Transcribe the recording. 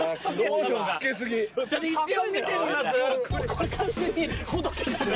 これ完全にほどけた